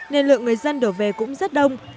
nên lượng người dân đổ về cũng rất đông